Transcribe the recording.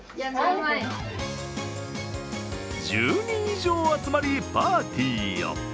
１０人以上集まりパーティーを。